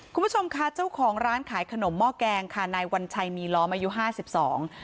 คุณผู้ชมค่ะเจ้าของร้านขายขนมหม้อแกงค่ะนายวัญชัยมีล้อมอายุห้าสิบสอง